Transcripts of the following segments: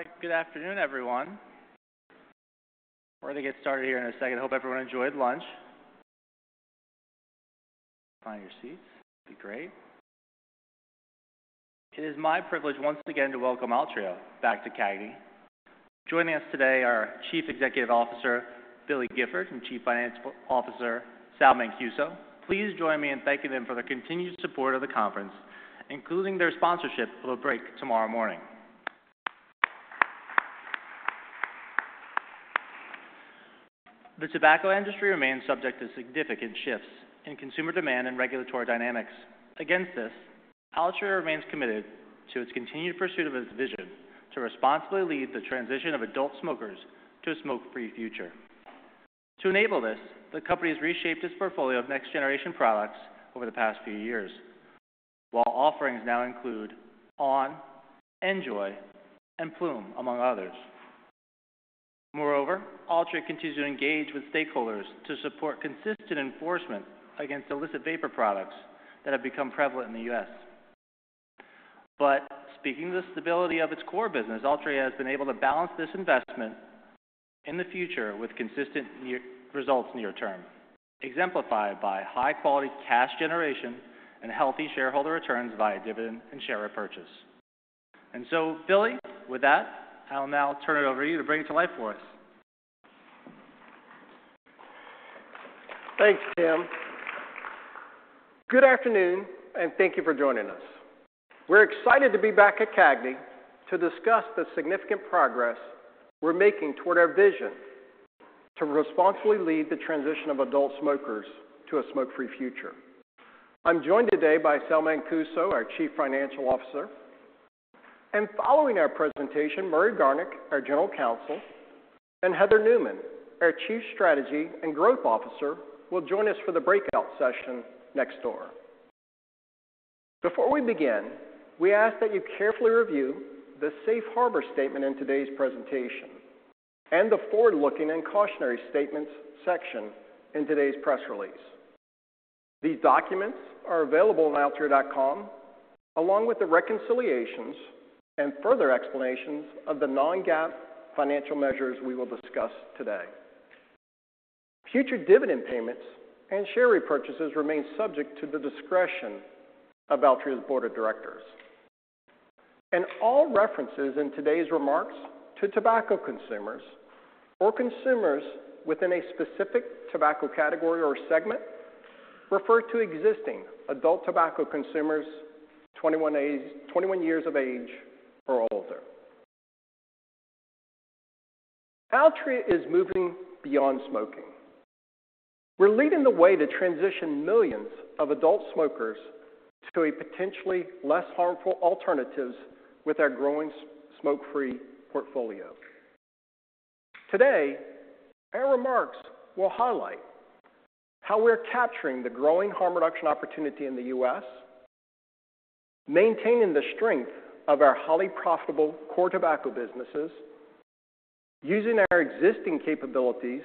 All right. Good afternoon, everyone. We're going to get started here in a second. Hope everyone enjoyed lunch. Find your seats. Be great. It is my privilege once again to welcome Altria back to CAGNY. Joining us today are Chief Executive Officer, Billy Gifford, and Chief Financial Officer, Sal Mancuso. Please join me in thanking them for their continued support of the conference, including their sponsorship for the break tomorrow morning. The tobacco industry remains subject to significant shifts in consumer demand and regulatory dynamics. Against this, Altria remains committed to its continued pursuit of its vision to responsibly lead the transition of adult smokers to a smoke-free future. To enable this, the company has reshaped its portfolio of next-generation products over the past few years, while offerings now include on!, NJOY, and Ploom, among others. Moreover, Altria continues to engage with stakeholders to support consistent enforcement against illicit vapor products that have become prevalent in the U.S. But speaking of the stability of its core business, Altria has been able to balance this investment in the future with consistent near-term results, exemplified by high-quality cash generation and healthy shareholder returns via dividend and share repurchase. And so Billy, with that, I'll now turn it over to you to bring it to life for us. Thanks, Tim. Good afternoon, and thank you for joining us. We're excited to be back at CAGNY to discuss the significant progress we're making toward our vision to responsibly lead the transition of adult smokers to a smoke-free future. I'm joined today by Sal Mancuso, our Chief Financial Officer, and following our presentation, Murray Garnick, our General Counsel, and Heather Newman, our Chief Strategy and Growth Officer, will join us for the breakout session next door. Before we begin, we ask that you carefully review the safe harbor statement in today's presentation and the forward-looking and cautionary statements section in today's press release. These documents are available on altria.com, along with the reconciliations and further explanations of the non-GAAP financial measures we will discuss today. Future dividend payments and share repurchases remain subject to the discretion of Altria's board of directors. All references in today's remarks to tobacco consumers or consumers within a specific tobacco category or segment refer to existing adult tobacco consumers, 21 years of age or older. Altria is moving beyond smoking. We're leading the way to transition millions of adult smokers to a potentially less harmful alternatives with our growing smoke-free portfolio. Today, our remarks will highlight how we're capturing the growing harm reduction opportunity in the U.S., maintaining the strength of our highly profitable core tobacco businesses, using our existing capabilities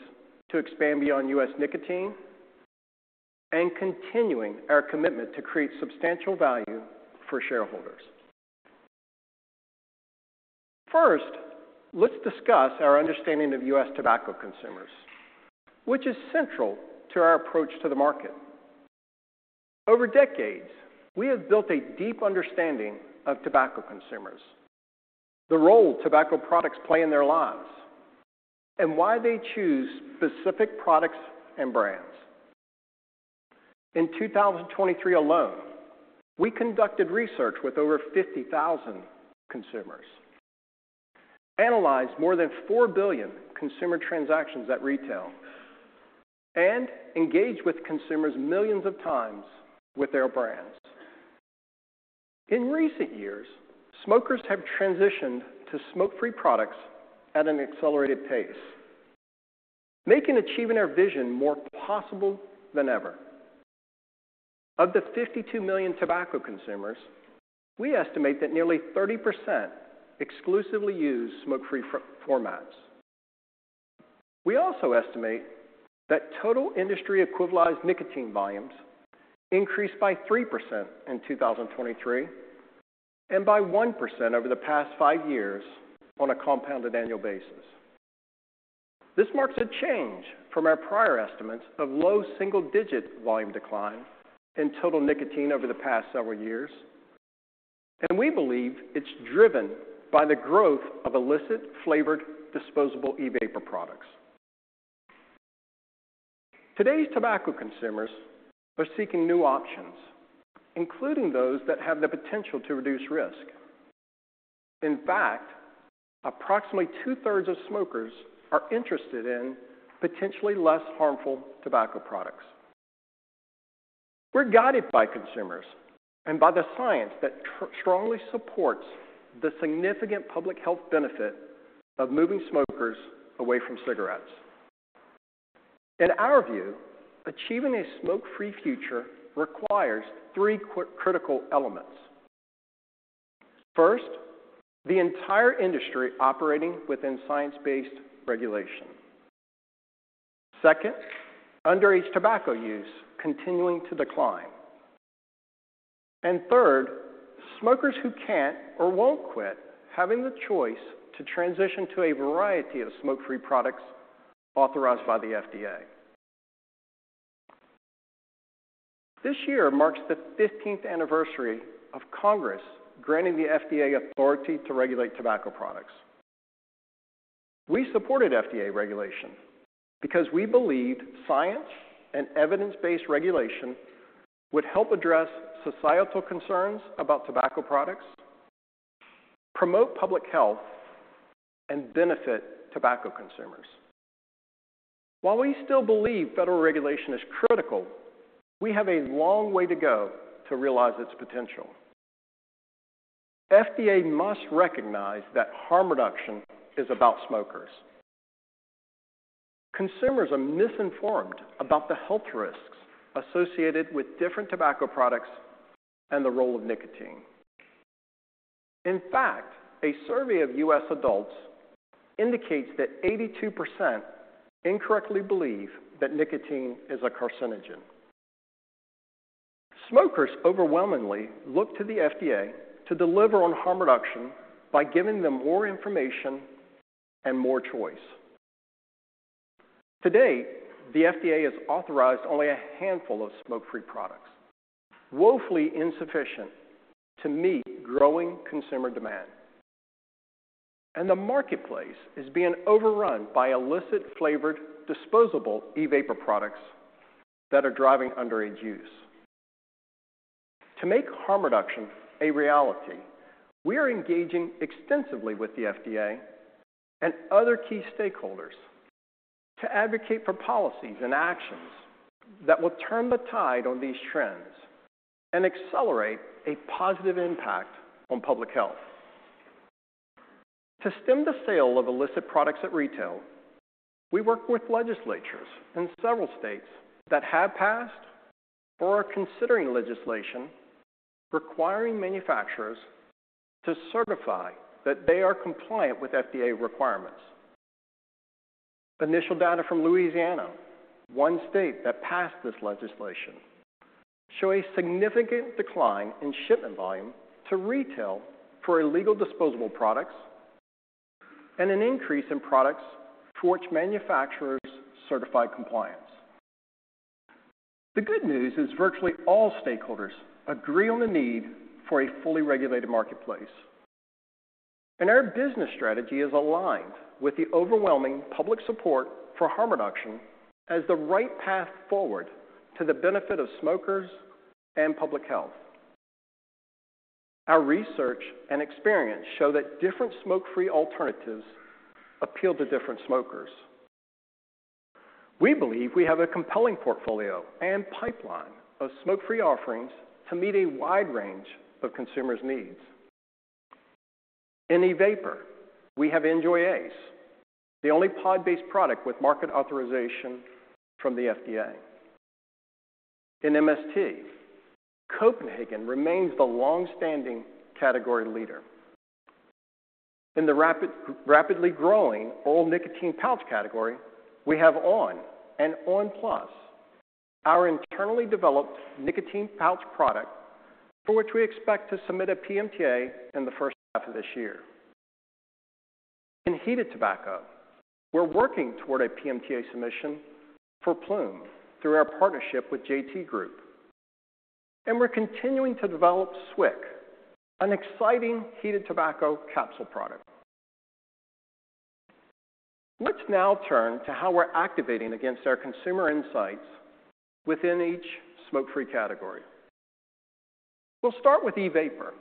to expand beyond U.S. nicotine, and continuing our commitment to create substantial value for shareholders. First, let's discuss our understanding of U.S. tobacco consumers, which is central to our approach to the market. Over decades, we have built a deep understanding of tobacco consumers, the role tobacco products play in their lives, and why they choose specific products and brands. In 2023 alone, we conducted research with over 50,000 consumers, analyzed more than 4 billion consumer transactions at retail, and engaged with consumers millions of times with their brands. In recent years, smokers have transitioned to smoke-free products at an accelerated pace, making achieving our vision more possible than ever. Of the 52 million tobacco consumers, we estimate that nearly 30% exclusively use smoke-free formats. We also estimate that total industry equivalized nicotine volumes increased by 3% in 2023, and by 1% over the past five years on a compounded annual basis. This marks a change from our prior estimates of low single-digit volume decline in total nicotine over the past several years, and we believe it's driven by the growth of illicit flavored disposable e-vapor products. Today's tobacco consumers are seeking new options, including those that have the potential to reduce risk. In fact, approximately 2/3s of smokers are interested in potentially less harmful tobacco products. We're guided by consumers and by the science that strongly supports the significant public health benefit of moving smokers away from cigarettes. In our view, achieving a smoke-free future requires three critical elements. First, the entire industry operating within science-based regulation. Second, underage tobacco use continuing to decline. And third, smokers who can't or won't quit having the choice to transition to a variety of smoke-free products authorized by the FDA. This year marks the fifteenth anniversary of Congress granting the FDA authority to regulate tobacco products. We supported FDA regulation because we believed science and evidence-based regulation would help address societal concerns about tobacco products, promote public health, and benefit tobacco consumers. While we still believe federal regulation is critical, we have a long way to go to realize its potential. FDA must recognize that harm reduction is about smokers. Consumers are misinformed about the health risks associated with different tobacco products and the role of nicotine. In fact, a survey of U.S. adults indicates that 82% incorrectly believe that nicotine is a carcinogen. Smokers overwhelmingly look to the FDA to deliver on harm reduction by giving them more information and more choice. To date, the FDA has authorized only a handful of smoke-free products, woefully insufficient to meet growing consumer demand. The marketplace is being overrun by illicit flavored, disposable e-vapor products that are driving underage use. To make harm reduction a reality, we are engaging extensively with the FDA and other key stakeholders to advocate for policies and actions that will turn the tide on these trends and accelerate a positive impact on public health. To stem the sale of illicit products at retail, we work with legislatures in several states that have passed or are considering legislation requiring manufacturers to certify that they are compliant with FDA requirements. Initial data from Louisiana, one state that passed this legislation, show a significant decline in shipment volume to retail for illegal disposable products and an increase in products for which manufacturers certified compliance. The good news is virtually all stakeholders agree on the need for a fully regulated marketplace. Our business strategy is aligned with the overwhelming public support for harm reduction as the right path forward to the benefit of smokers and public health. Our research and experience show that different smoke-free alternatives appeal to different smokers. We believe we have a compelling portfolio and pipeline of smoke-free offerings to meet a wide range of consumers' needs. In e-vapor, we have NJOY ACE, the only pod-based product with market authorization from the FDA. In MST, Copenhagen remains the long-standing category leader. In the rapidly growing oral nicotine pouch category, we have on! and on! PLUS, our internally developed nicotine pouch product for which we expect to submit a PMTA in the first half of this year. In heated tobacco, we're working toward a PMTA submission for Ploom through our partnership with JT Group. And we're continuing to develop SWIC, an exciting heated tobacco capsule product. Let's now turn to how we're activating against our consumer insights within each smoke-free category. We'll start with e-vapor,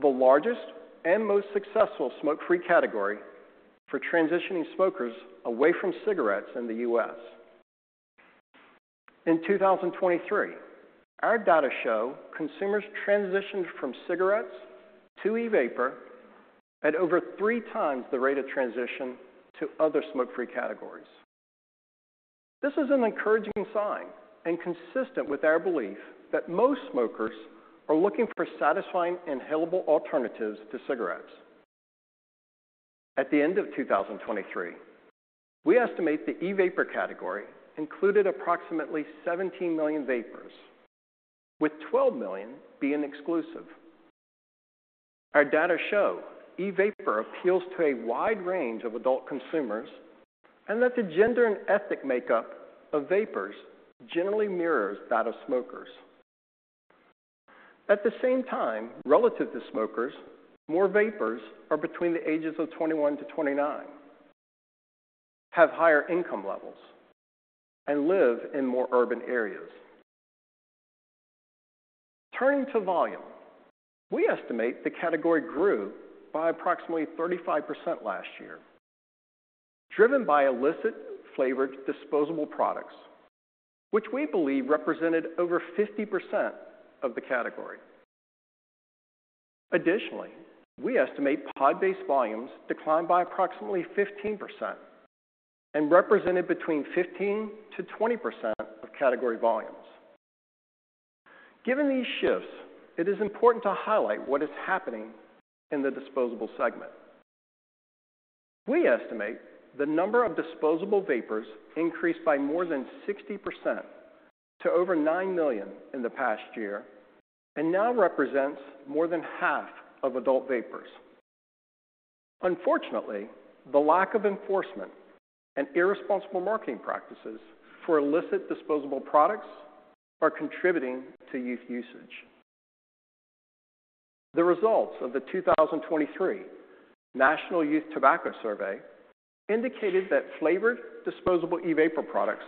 the largest and most successful smoke-free category for transitioning smokers away from cigarettes in the U.S. In 2023, our data show consumers transitioned from cigarettes to e-vapor at over 3x the rate of transition to other smoke-free categories. This is an encouraging sign and consistent with our belief that most smokers are looking for satisfying inhalable alternatives to cigarettes. At the end of 2023, we estimate the e-vapor category included approximately 17 million vapers, with 12 million being exclusive. Our data show e-vapor appeals to a wide range of adult consumers and that the gender and ethnic makeup of vapers generally mirrors that of smokers. At the same time, relative to smokers, more vapers are between the ages of 21-29, have higher income levels, and live in more urban areas. Turning to volume, we estimate the category grew by approximately 35% last year, driven by illicit flavored disposable products, which we believe represented over 50% of the category. Additionally, we estimate pod-based volumes declined by approximately 15% and represented between 15%-20% of category volumes. Given these shifts, it is important to highlight what is happening in the disposable segment. We estimate the number of disposable vapers increased by more than 60% to over nine million in the past year, and now represents more than half of adult vapers. Unfortunately, the lack of enforcement and irresponsible marketing practices for illicit disposable products are contributing to youth usage. The results of the 2023 National Youth Tobacco Survey indicated that flavored disposable e-vapor products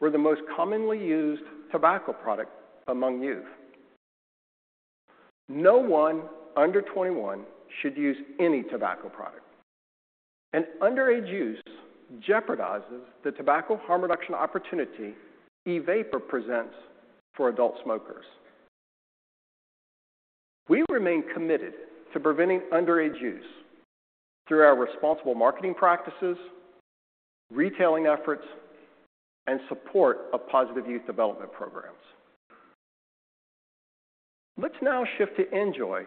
were the most commonly used tobacco product among youth. No one under 21 should use any tobacco product, and underage use jeopardizes the tobacco harm reduction opportunity e-vapor presents for adult smokers. We remain committed to preventing underage use through our responsible marketing practices, retailing efforts, and support of positive youth development programs. Let's now shift to NJOY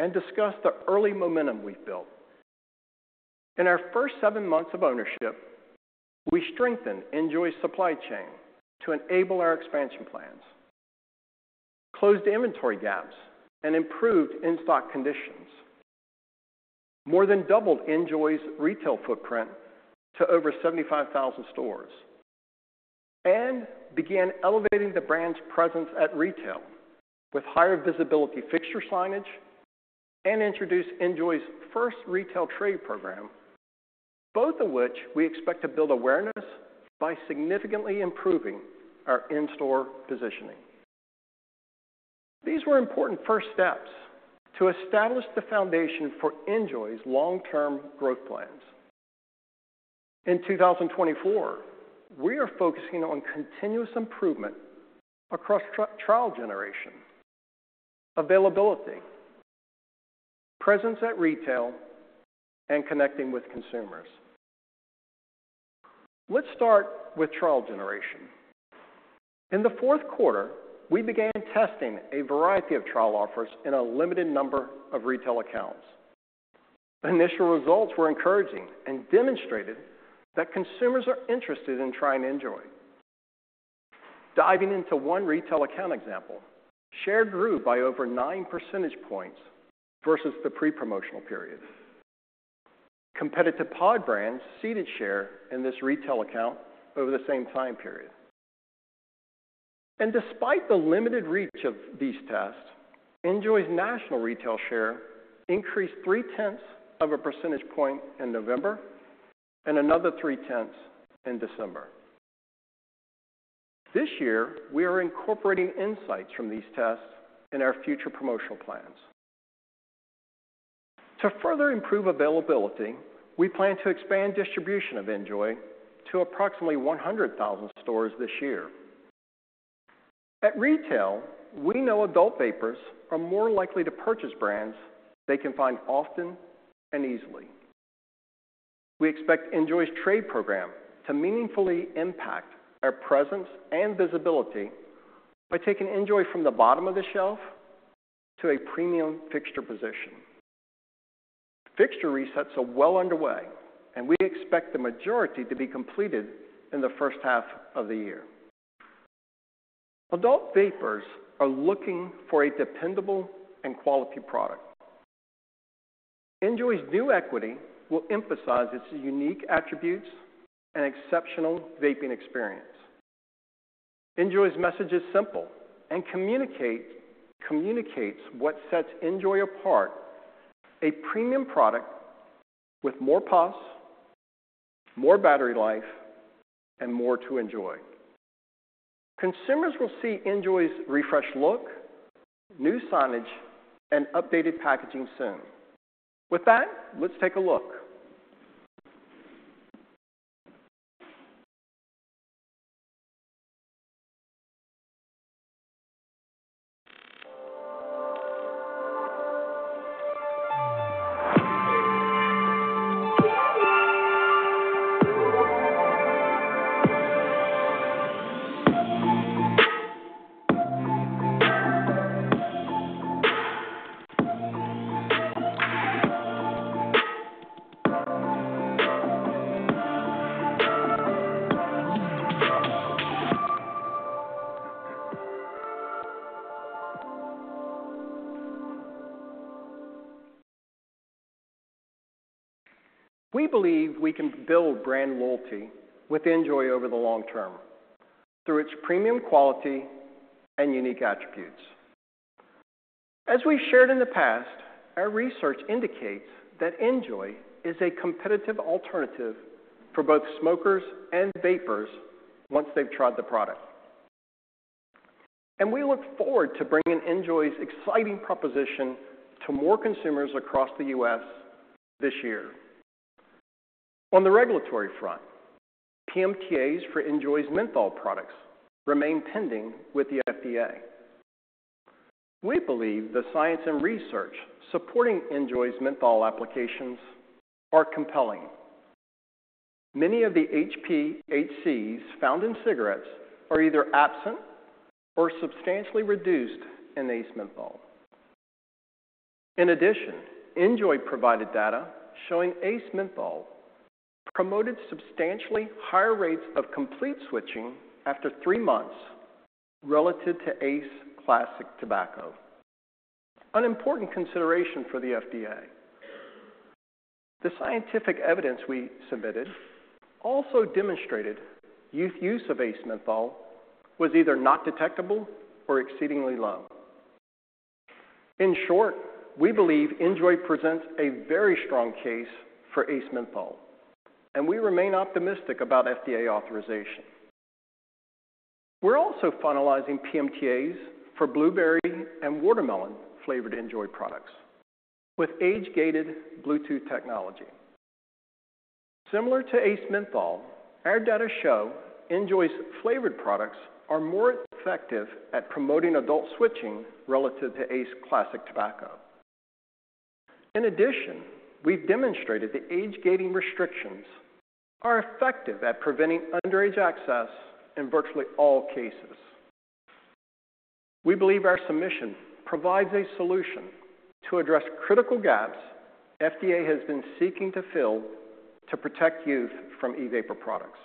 and discuss the early momentum we've built. In our first seven months of ownership, we strengthened NJOY's supply chain to enable our expansion plans, closed inventory gaps, and improved in-stock conditions. More than doubled NJOY's retail footprint to over 75,000 stores, and began elevating the brand's presence at retail with higher visibility fixture signage and introduced NJOY's first retail trade program, both of which we expect to build awareness by significantly improving our in-store positioning. These were important first steps to establish the foundation for NJOY's long-term growth plans. In 2024, we are focusing on continuous improvement across trial generation, availability, presence at retail, and connecting with consumers. Let's start with trial generation. In the fourth quarter, we began testing a variety of trial offers in a limited number of retail accounts. Initial results were encouraging and demonstrated that consumers are interested in trying NJOY. Diving into one retail account example, share grew by over nine percentage points versus the pre-promotional periods. Competitive pod brands ceded share in this retail account over the same time period. And despite the limited reach of these tests, NJOY's national retail share increased 0.3 percentage points in November and another 0.3 in December. This year, we are incorporating insights from these tests in our future promotional plans. To further improve availability, we plan to expand distribution of NJOY to approximately 100,000 stores this year. At retail, we know adult vapers are more likely to purchase brands they can find often and easily. We expect NJOY's trade program to meaningfully impact our presence and visibility by taking NJOY from the bottom of the shelf to a premium fixture position. Fixture resets are well underway, and we expect the majority to be completed in the first half of the year. Adult vapers are looking for a dependable and quality product. NJOY's new equity will emphasize its unique attributes and exceptional vaping experience. NJOY's message is simple and communicates what sets NJOY apart: a premium product with more puffs, more battery life, and more to enjoy. Consumers will see NJOY's refreshed look, new signage, and updated packaging soon. With that, let's take a look. We believe we can build brand loyalty with NJOY over the long term through its premium quality and unique attributes. As we've shared in the past, our research indicates that NJOY is a competitive alternative for both smokers and vapers once they've tried the product. We look forward to bringing NJOY's exciting proposition to more consumers across the U.S. this year. On the regulatory front, PMTAs for NJOY's menthol products remain pending with the FDA. We believe the science and research supporting NJOY's menthol applications are compelling. Many of the HPHCs found in cigarettes are either absent or substantially reduced in Ace Menthol. In addition, NJOY provided data showing Ace Menthol promoted substantially higher rates of complete switching after three months relative to Ace Classic Tobacco, an important consideration for the FDA. The scientific evidence we submitted also demonstrated youth use of Ace Menthol was either not detectable or exceedingly low. In short, we believe NJOY presents a very strong case for Ace Menthol, and we remain optimistic about FDA authorization. We're also finalizing PMTAs for blueberry and watermelon-flavored NJOY products with age-gated Bluetooth technology. Similar to Ace Menthol, our data show NJOY's flavored products are more effective at promoting adult switching relative to Ace Classic Tobacco. In addition, we've demonstrated the age-gating restrictions are effective at preventing underage access in virtually all cases. We believe our submission provides a solution to address critical gaps FDA has been seeking to fill to protect youth from e-vapor products.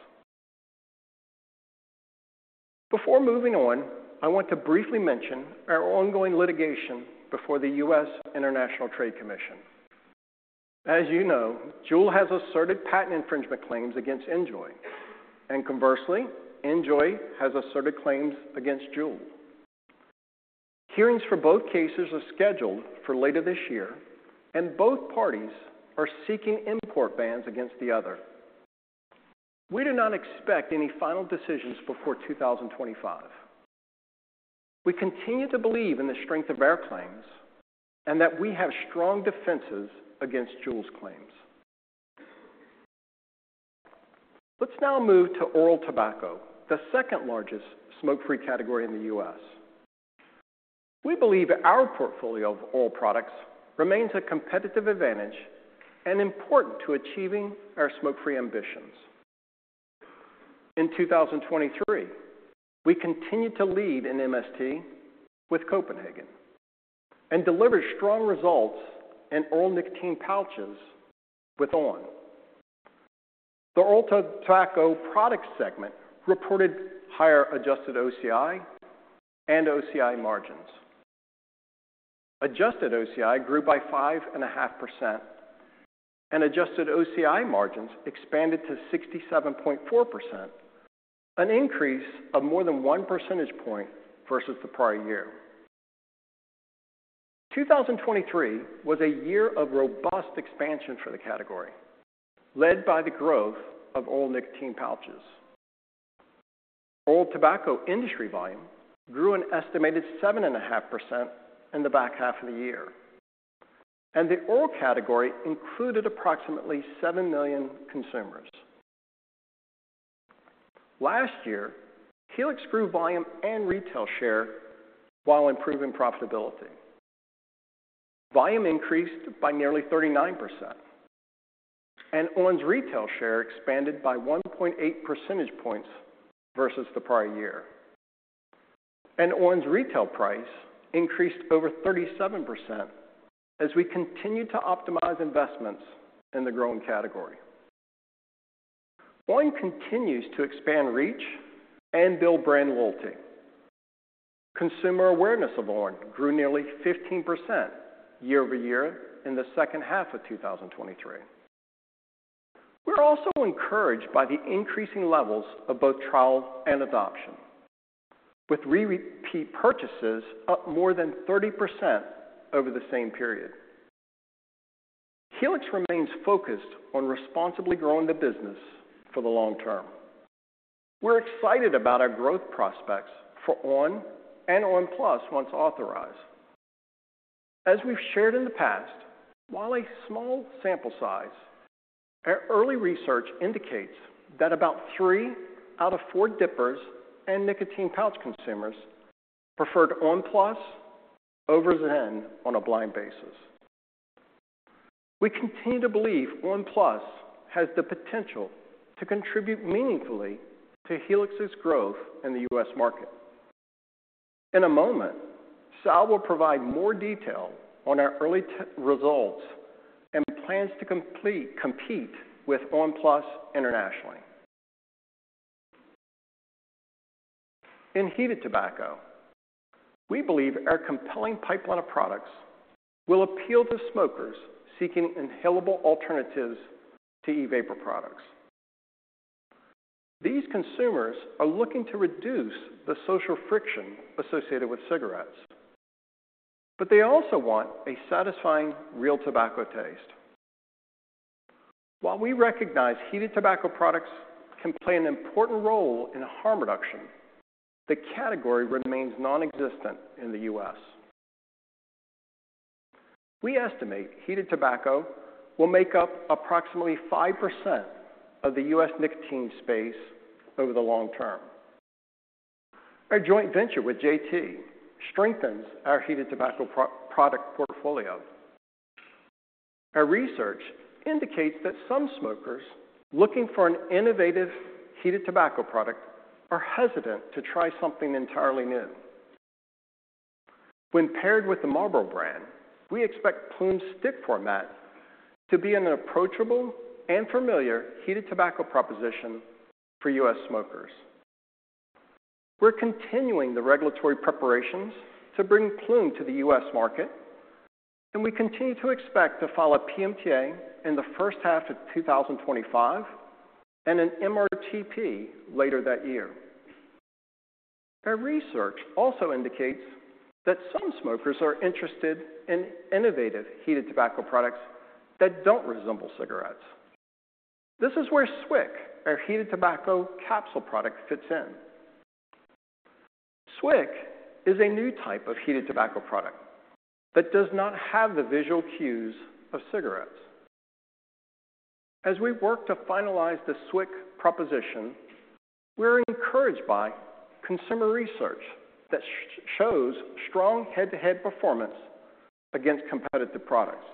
Before moving on, I want to briefly mention our ongoing litigation before the U.S. International Trade Commission. As you know, JUUL has asserted patent infringement claims against NJOY, and conversely, NJOY has asserted claims against JUUL. Hearings for both cases are scheduled for later this year, and both parties are seeking import bans against the other. We do not expect any final decisions before 2025. We continue to believe in the strength of our claims and that we have strong defenses against JUUL's claims. Let's now move to oral tobacco, the second-largest smoke-free category in the U.S. We believe our portfolio of oral products remains a competitive advantage and important to achieving our smoke-free ambitions. In 2023, we continued to lead in MST with Copenhagen and delivered strong results in oral nicotine pouches with on! The oral tobacco product segment reported higher adjusted OCI and OCI margins. Adjusted OCI grew by 5.5%, and adjusted OCI margins expanded to 67.4%, an increase of more than one percentage point versus the prior year. 2023 was a year of robust expansion for the category, led by the growth of oral nicotine pouches. Oral tobacco industry volume grew an estimated 7.5% in the back half of the year, and the oral category included approximately seven million consumers. Last year, Helix grew volume and retail share while improving profitability. Volume increased by nearly 39%, and on!'s retail share expanded by 1.8 percentage points versus the prior year. on!'s retail price increased over 37% as we continued to optimize investments in the growing category. on! continues to expand reach and build brand loyalty. Consumer awareness of on! grew nearly 15% year-over-year in the second half of 2023. We're also encouraged by the increasing levels of both trial and adoption, with repeat purchases up more than 30% over the same period. Helix remains focused on responsibly growing the business for the long term. We're excited about our growth prospects for on! and on! PLUS, once authorized. As we've shared in the past, while a small sample size, our early research indicates that about three out of four dippers and nicotine pouch consumers preferred on! PLUS over Zyn on a blind basis. We continue to believe on! PLUS has the potential to contribute meaningfully to Helix's growth in the U.S. market. In a moment, Sal will provide more detail on our early test results and plans to compete with on! PLUS internationally. In heated tobacco, we believe our compelling pipeline of products will appeal to smokers seeking inhalable alternatives to e-vapor products. These consumers are looking to reduce the social friction associated with cigarettes, but they also want a satisfying, real tobacco taste. While we recognize heated tobacco products can play an important role in harm reduction, the category remains nonexistent in the U.S. We estimate heated tobacco will make up approximately 5% of the U.S. nicotine space over the long term. Our joint venture with JT strengthens our heated tobacco product portfolio. Our research indicates that some smokers looking for an innovative heated tobacco product are hesitant to try something entirely new. When paired with the Marlboro brand, we expect Ploom stick format to be an approachable and familiar heated tobacco proposition for U.S. smokers. We're continuing the regulatory preparations to bring Ploom to the U.S. market, and we continue to expect to file a PMTA in the first half of 2025, and an MRTP later that year. Our research also indicates that some smokers are interested in innovative heated tobacco products that don't resemble cigarettes. This is where SWIC, our heated tobacco capsule product, fits in. SWIC is a new type of heated tobacco product that does not have the visual cues of cigarettes. As we work to finalize the SWIC proposition, we're encouraged by consumer research that shows strong head-to-head performance against competitive products.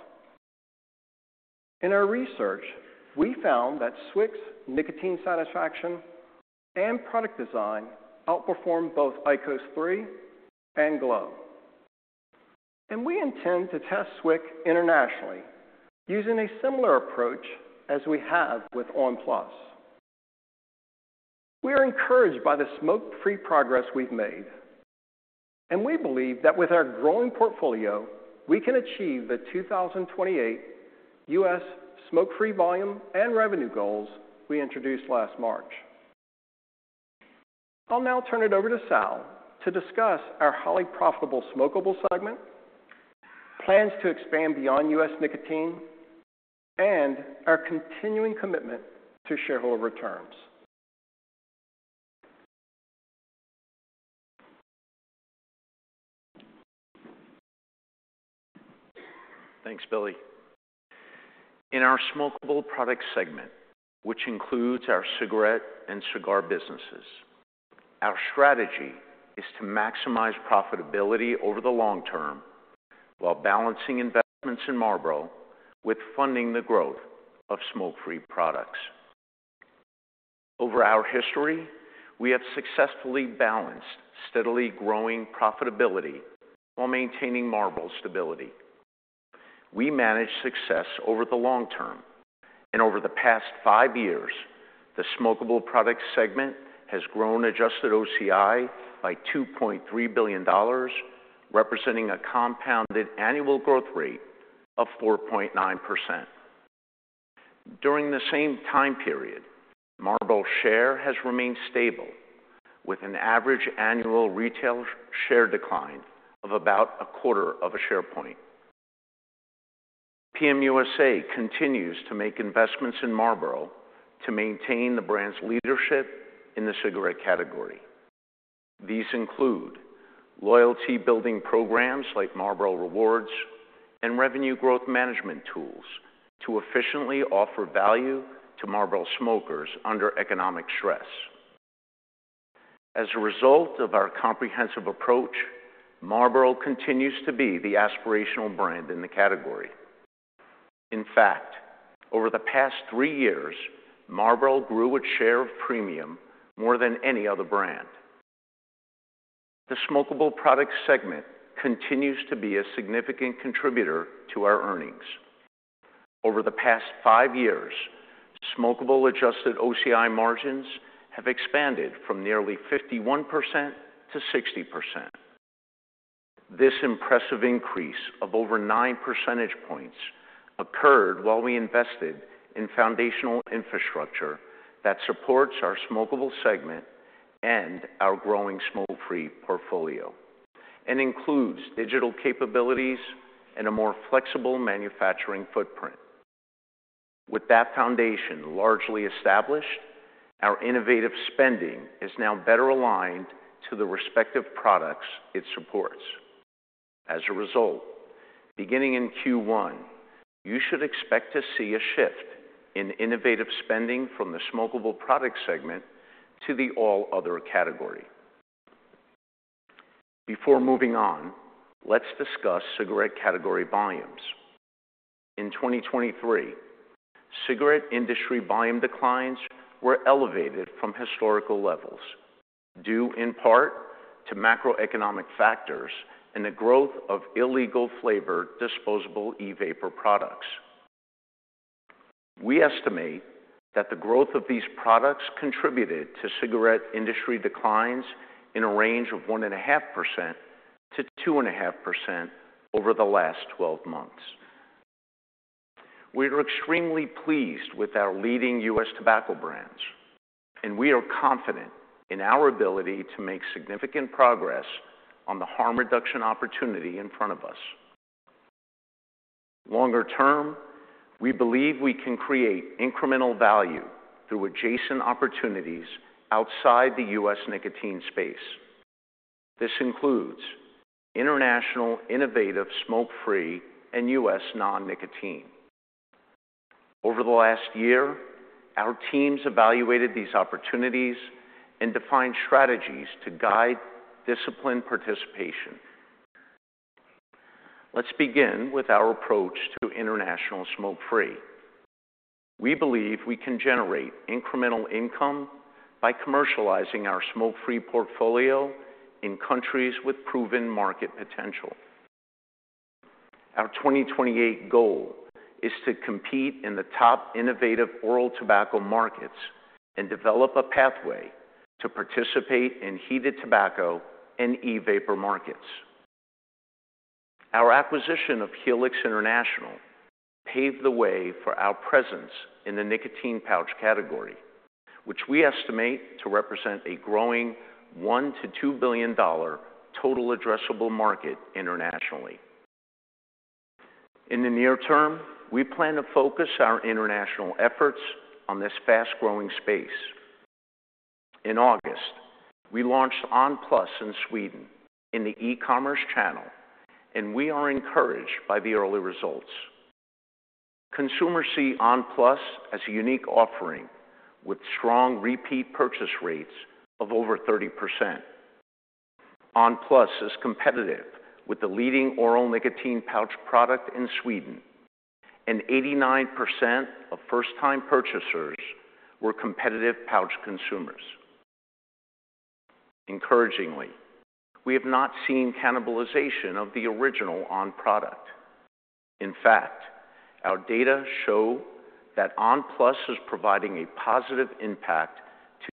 In our research, we found that SWIC's nicotine satisfaction and product design outperformed both IQOS 3 and glo. And we intend to test SWIC internationally using a similar approach as we have with on! PLUS. We are encouraged by the smoke-free progress we've made, and we believe that with our growing portfolio, we can achieve the 2028 U.S. smoke-free volume and revenue goals we introduced last March. I'll now turn it over to Sal to discuss our highly profitable smokable segment, plans to expand beyond U.S. nicotine, and our continuing commitment to shareholder returns. Thanks, Billy. In our smokable product segment, which includes our cigarette and cigar businesses, our strategy is to maximize profitability over the long term while balancing investments in Marlboro with funding the growth of smoke-free products. Over our history, we have successfully balanced steadily growing profitability while maintaining Marlboro stability. We manage success over the long term, and over the past five years, the smokable product segment has grown adjusted OCI by $2.3 billion, representing a compounded annual growth rate of 4.9%. During the same time period, Marlboro share has remained stable with an average annual retail share decline of about a quarter of a share point. PM USA continues to make investments in Marlboro to maintain the brand's leadership in the cigarette category. These include loyalty building programs like Marlboro Rewards and revenue growth management tools to efficiently offer value to Marlboro smokers under economic stress. As a result of our comprehensive approach, Marlboro continues to be the aspirational brand in the category. In fact, over the past three years, Marlboro grew its share of premium more than any other brand. The smokable product segment continues to be a significant contributor to our earnings. Over the past five years, smokable adjusted OCI margins have expanded from nearly 51% to 60%. This impressive increase of over 9 percentage points occurred while we invested in foundational infrastructure that supports our smokable segment and our growing smoke-free portfolio, and includes digital capabilities and a more flexible manufacturing footprint. With that foundation largely established, our innovative spending is now better aligned to the respective products it supports. As a result, beginning in Q1, you should expect to see a shift in innovative spending from the smokable product segment to the all other category. Before moving on, let's discuss cigarette category volumes. In 2023, cigarette industry volume declines were elevated from historical levels, due in part to macroeconomic factors and the growth of illegal flavored disposable e-vapor products. We estimate that the growth of these products contributed to cigarette industry declines in a range of 1.5%-2.5% over the last 12 months. We are extremely pleased with our leading U.S. tobacco brands, and we are confident in our ability to make significant progress on the harm reduction opportunity in front of us. Longer term, we believe we can create incremental value through adjacent opportunities outside the U.S. nicotine space. This includes international, innovative, smoke-free, and U.S. non-nicotine.... Over the last year, our teams evaluated these opportunities and defined strategies to guide discipline participation. Let's begin with our approach to international smoke-free. We believe we can generate incremental income by commercializing our smoke-free portfolio in countries with proven market potential. Our 2028 goal is to compete in the top innovative oral tobacco markets and develop a pathway to participate in heated tobacco and e-vapor markets. Our acquisition of Helix International paved the way for our presence in the nicotine pouch category, which we estimate to represent a growing $1-$2 billion total addressable market internationally. In the near term, we plan to focus our international efforts on this fast-growing space. In August, we launched on! PLUS in Sweden in the e-commerce channel, and we are encouraged by the early results. Consumers see on! Plus as a unique offering with strong repeat purchase rates of over 30%. on! PLUS is competitive with the leading oral nicotine pouch product in Sweden, and 89% of first-time purchasers were competitive pouch consumers. Encouragingly, we have not seen cannibalization of the original on! product. In fact, our data show that on! PLUS is providing a positive impact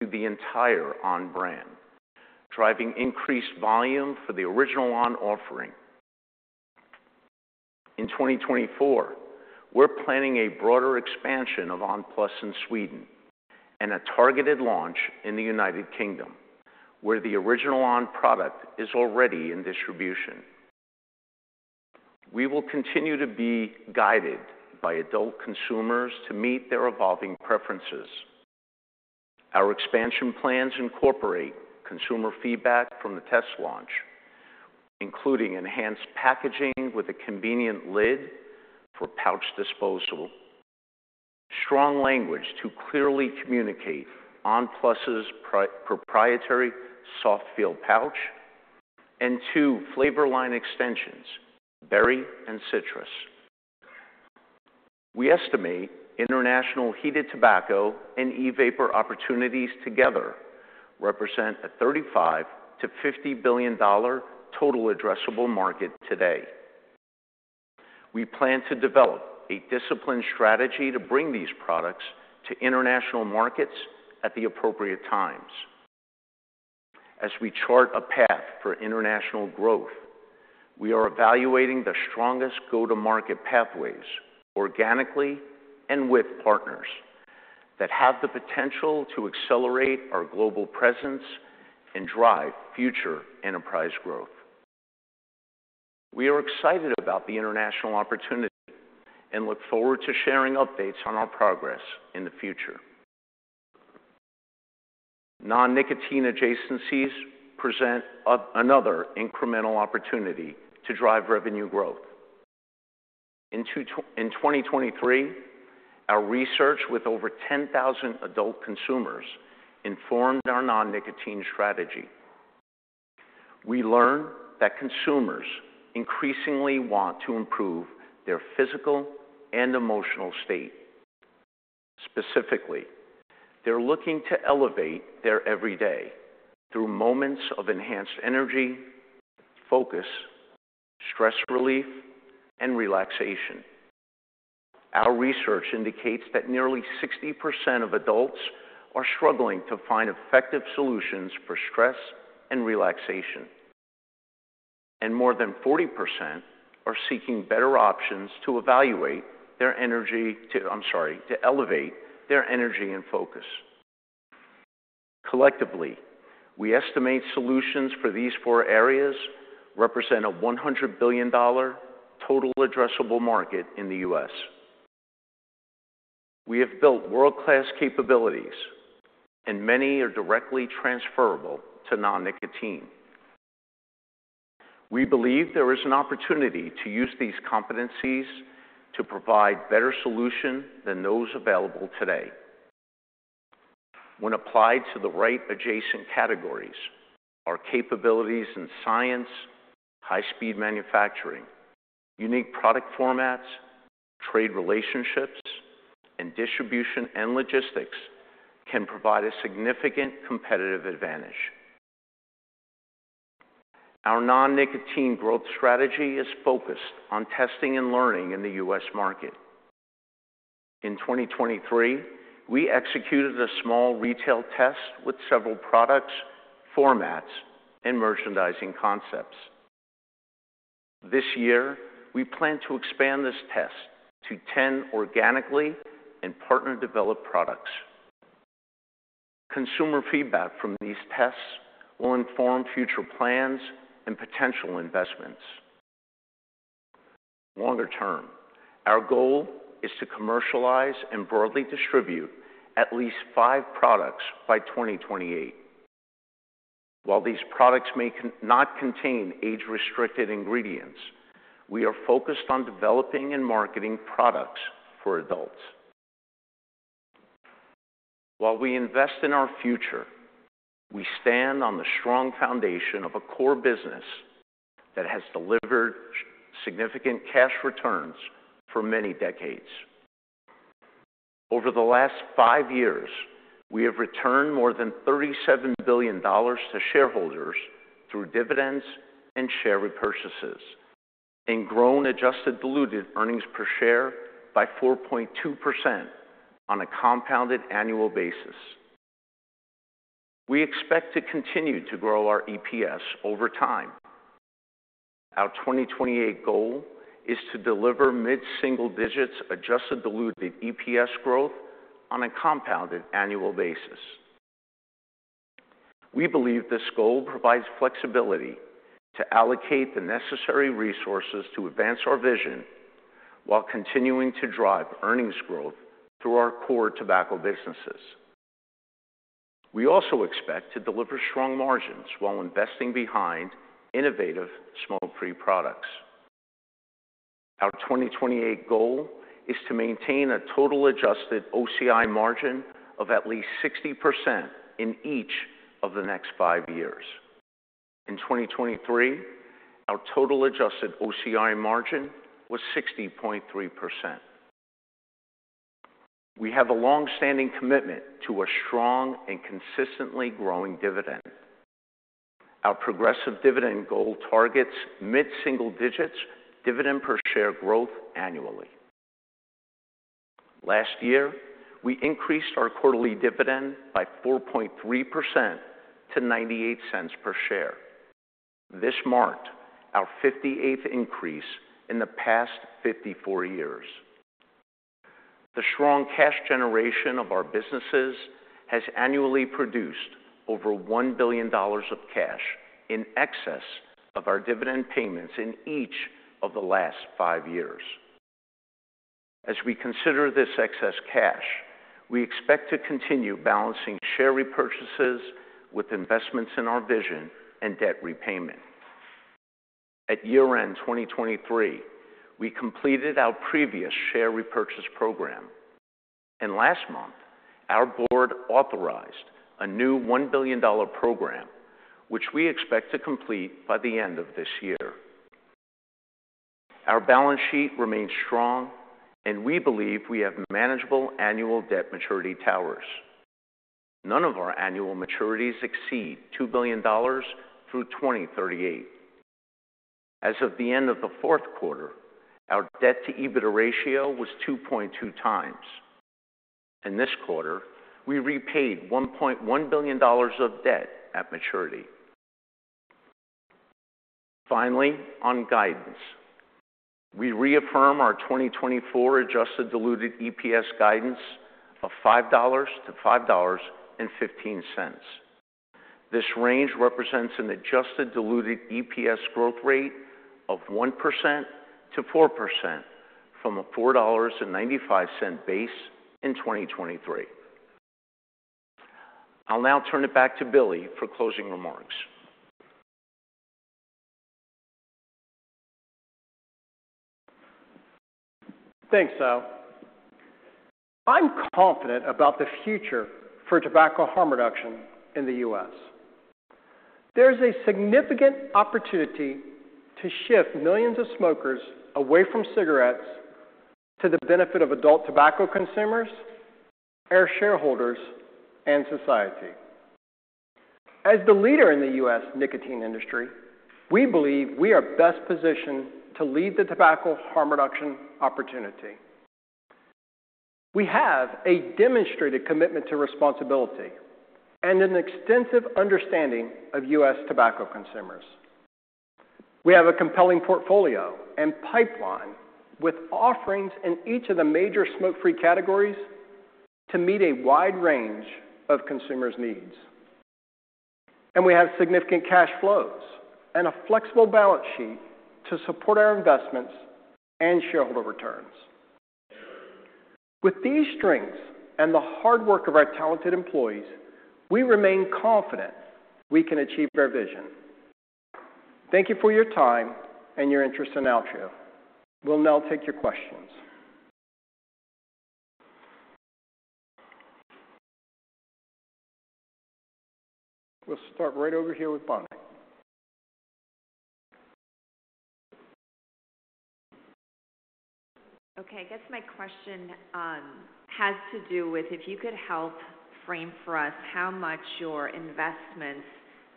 to the entire on! brand, driving increased volume for the original on! offering. In 2024, we're planning a broader expansion of on! PLUS in Sweden and a targeted launch in the United Kingdom, where the original on! product is already in distribution. We will continue to be guided by adult consumers to meet their evolving preferences. Our expansion plans incorporate consumer feedback from the test launch, including enhanced packaging with a convenient lid for pouch disposal, strong language to clearly communicate on! PLUS's proprietary soft feel pouch, and two flavor line extensions, berry and citrus. We estimate international heated tobacco and e-vapor opportunities together represent a $35 billion-$50 billion total addressable market today. We plan to develop a disciplined strategy to bring these products to international markets at the appropriate times. As we chart a path for international growth, we are evaluating the strongest go-to-market pathways, organically and with partners, that have the potential to accelerate our global presence and drive future enterprise growth. We are excited about the international opportunity and look forward to sharing updates on our progress in the future. Non-nicotine adjacencies present another incremental opportunity to drive revenue growth. In 2023, our research with over 10,000 adult consumers informed our non-nicotine strategy. We learned that consumers increasingly want to improve their physical and emotional state. Specifically, they're looking to elevate their every day through moments of enhanced energy, focus, stress relief, and relaxation. Our research indicates that nearly 60% of adults are struggling to find effective solutions for stress and relaxation, and more than 40% are seeking better options to elevate their energy and focus. I'm sorry. Collectively, we estimate solutions for these four areas represent a $100 billion total addressable market in the U.S. We have built world-class capabilities, and many are directly transferable to non-nicotine. We believe there is an opportunity to use these competencies to provide better solution than those available today. When applied to the right adjacent categories, our capabilities in science, high-speed manufacturing, unique product formats, trade relationships, and distribution and logistics can provide a significant competitive advantage. Our non-nicotine growth strategy is focused on testing and learning in the U.S. market. In 2023, we executed a small retail test with several products, formats, and merchandising concepts. This year, we plan to expand this test to 10 organically and partner-developed products. Consumer feedback from these tests will inform future plans and potential investments. Longer term, our goal is to commercialize and broadly distribute at least five products by 2028.... while these products may not contain age-restricted ingredients, we are focused on developing and marketing products for adults. While we invest in our future, we stand on the strong foundation of a core business that has delivered significant cash returns for many decades. Over the last five years, we have returned more than $37 billion to shareholders through dividends and share repurchases, and grown adjusted diluted earnings per share by 4.2% on a compounded annual basis. We expect to continue to grow our EPS over time. Our 2028 goal is to deliver mid-single digits adjusted diluted EPS growth on a compounded annual basis. We believe this goal provides flexibility to allocate the necessary resources to advance our vision, while continuing to drive earnings growth through our core tobacco businesses. We also expect to deliver strong margins while investing behind innovative smoke-free products. Our 2028 goal is to maintain a total adjusted OCI margin of at least 60% in each of the next five years. In 2023, our total adjusted OCI margin was 60.3%. We have a long-standing commitment to a strong and consistently growing dividend. Our progressive dividend goal targets mid-single digits dividend per share growth annually. Last year, we increased our quarterly dividend by 4.3% to $0.98 per share. This marked our 58th increase in the past 54 years. The strong cash generation of our businesses has annually produced over $1 billion of cash in excess of our dividend payments in each of the last five years. As we consider this excess cash, we expect to continue balancing share repurchases with investments in our vision and debt repayment. At year-end 2023, we completed our previous share repurchase program, and last month, our board authorized a new $1 billion program, which we expect to complete by the end of this year. Our balance sheet remains strong, and we believe we have manageable annual debt maturity towers. None of our annual maturities exceed $2 billion through 2038. As of the end of the fourth quarter, our debt to EBITDA ratio was 2.2 times. In this quarter, we repaid $1.1 billion of debt at maturity. Finally, on guidance, we reaffirm our 2024 adjusted diluted EPS guidance of $5-$5.15. This range represents an adjusted diluted EPS growth rate of 1%-4% from a $4.95 base in 2023. I'll now turn it back to Billy for closing remarks. Thanks, Sal. I'm confident about the future for tobacco harm reduction in the U.S. There's a significant opportunity to shift millions of smokers away from cigarettes to the benefit of adult tobacco consumers, our shareholders, and society. As the leader in the U.S. nicotine industry, we believe we are best positioned to lead the tobacco harm reduction opportunity. We have a demonstrated commitment to responsibility and an extensive understanding of U.S. tobacco consumers. We have a compelling portfolio and pipeline with offerings in each of the major smoke-free categories to meet a wide range of consumers' needs. We have significant cash flows and a flexible balance sheet to support our investments and shareholder returns. With these strengths and the hard work of our talented employees, we remain confident we can achieve our vision. Thank you for your time and your interest in Altria. We'll now take your questions. We'll start right over here with Bonnie. Okay, I guess my question has to do with if you could help frame for us how much your investments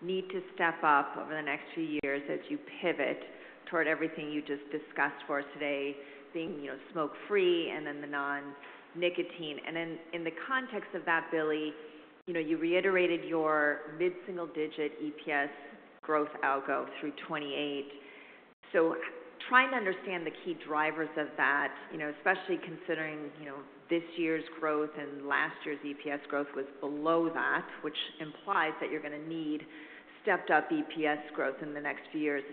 need to step up over the next few years as you pivot toward everything you just discussed for us today, being, you know, smoke-free and then the non-nicotine. And then in the context of that, Billy, you know, you reiterated your mid-single-digit EPS growth algo through 2028. So trying to understand the key drivers of that, you know, especially considering, you know, this year's growth and last year's EPS growth was below that, which implies that you're going to need stepped up EPS growth in the next few years.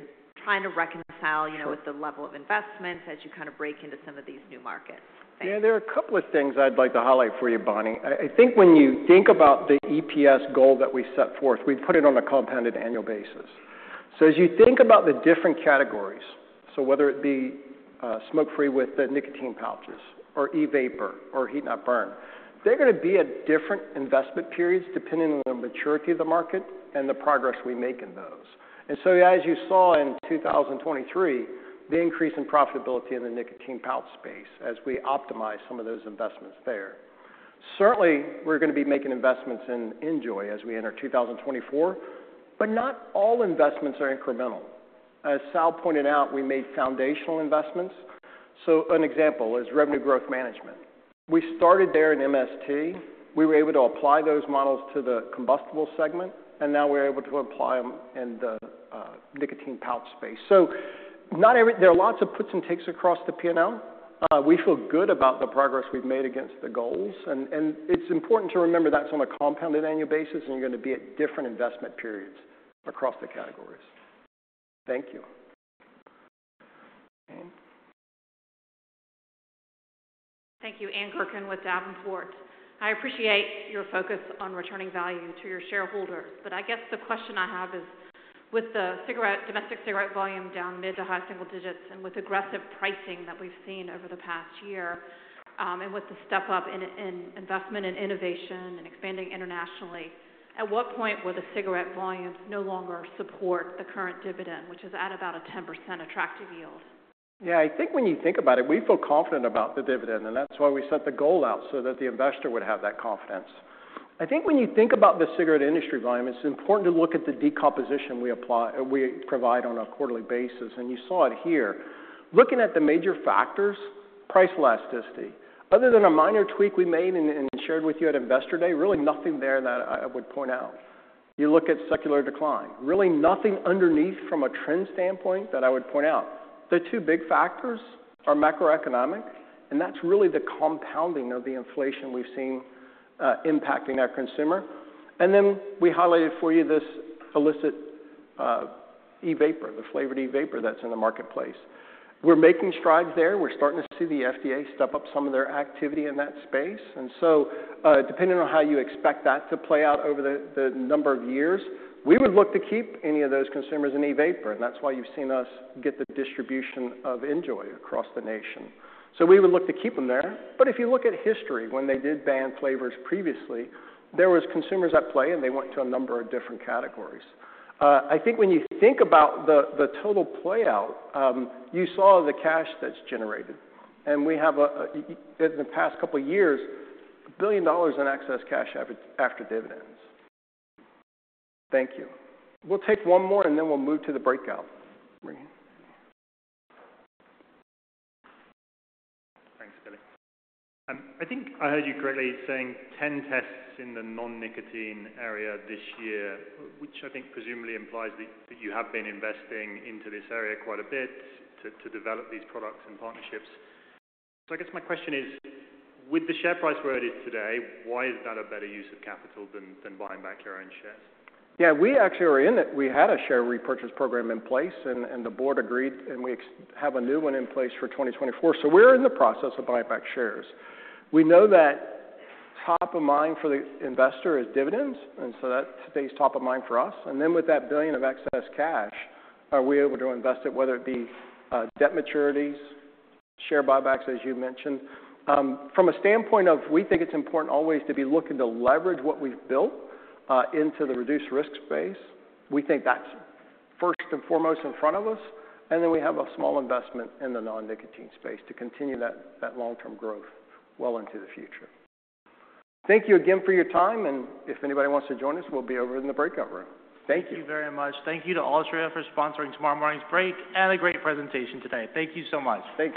Trying to reconcile, you know, with the level of investments as you kind of break into some of these new markets. Yeah, there are a couple of things I'd like to highlight for you, Bonnie. I think when you think about the EPS goal that we set forth, we've put it on a compounded annual basis. So as you think about the different categories, so whether it be smoke-free with the nicotine pouches or e-vapor or heat-not-burn, they're gonna be at different investment periods depending on the maturity of the market and the progress we make in those. And so as you saw in 2023, the increase in profitability in the nicotine pouch space as we optimize some of those investments there. Certainly, we're gonna be making investments in NJOY as we enter 2024, but not all investments are incremental. As Sal pointed out, we made foundational investments. So an example is Revenue Growth Management. We started there in MST. We were able to apply those models to the combustible segment, and now we're able to apply them in the nicotine pouch space. So not every there are lots of puts and takes across the P&L. We feel good about the progress we've made against the goals, and it's important to remember that's on a compounded annual basis, and you're gonna be at different investment periods across the categories. Thank you. Ann? Thank you. Ann Gurkin with Davenport. I appreciate your focus on returning value to your shareholders, but I guess the question I have is, with the cigarette domestic cigarette volume down mid to high single digits, and with aggressive pricing that we've seen over the past year, and with the step up in investment and innovation and expanding internationally, at what point will the cigarette volumes no longer support the current dividend, which is at about a 10% attractive yield? Yeah, I think when you think about it, we feel confident about the dividend, and that's why we set the goal out so that the investor would have that confidence. I think when you think about the cigarette industry volume, it's important to look at the decomposition we apply, we provide on a quarterly basis, and you saw it here. Looking at the major factors, price elasticity. Other than a minor tweak we made and shared with you at Investor Day, really nothing there that I would point out. You look at secular decline, really nothing underneath from a trend standpoint that I would point out. The two big factors are macroeconomic, and that's really the compounding of the inflation we've seen, impacting our consumer. And then we highlighted for you this illicit, e-vapor, the flavored e-vapor, that's in the marketplace. We're making strides there. We're starting to see the FDA step up some of their activity in that space. And so, depending on how you expect that to play out over the number of years, we would look to keep any of those consumers in e-vapor, and that's why you've seen us get the distribution of NJOY across the nation. So we would look to keep them there. But if you look at history, when they did ban flavors previously, there was consumers at play, and they went to a number of different categories. I think when you think about the total playout, you saw the cash that's generated, and we have in the past couple of years, $1 billion in excess cash after dividends. Thank you. We'll take one more, and then we'll move to the breakout. Marie? Thanks, Billy. I think I heard you correctly saying 10 tests in the non-nicotine area this year, which I think presumably implies that you have been investing into this area quite a bit to develop these products and partnerships. So I guess my question is, with the share price where it is today, why is that a better use of capital than buying back your own shares? Yeah, we actually are in it. We had a share repurchase program in place, and the board agreed, and we have a new one in place for 2024. So we're in the process of buying back shares. We know that top of mind for the investor is dividends, and so that stays top of mind for us. And then with that $1 billion of excess cash, are we able to invest it, whether it be debt maturities, share buybacks, as you mentioned. From a standpoint of we think it's important always to be looking to leverage what we've built into the reduced risk space. We think that's first and foremost in front of us, and then we have a small investment in the non-nicotine space to continue that long-term growth well into the future. Thank you again for your time, and if anybody wants to join us, we'll be over in the breakout room. Thank you. Thank you very much. Thank you to Altria for sponsoring tomorrow morning's break and a great presentation today. Thank you so much. Thanks.